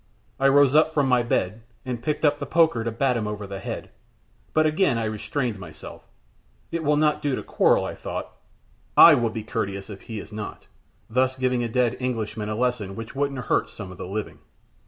I rose up from my bed, and picked up the poker to bat him over the head, but again I restrained myself. It will not do to quarrel, I thought. I will be courteous if he is not, thus giving a dead Englishman a lesson which wouldn't hurt some of the living.